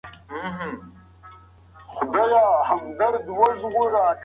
رحمان بابا د جذبو او عشق په نړۍ کې مست و.